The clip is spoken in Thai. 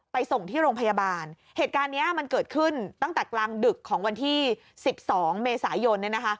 ส่งที่โรงพยาบาลเหตุการณ์เนี้ยมันเกิดขึ้นตั้งแต่กลางดึกของวันที่สิบสองเมษายน